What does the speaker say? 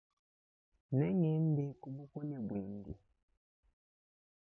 Nengende kubukole bwebe.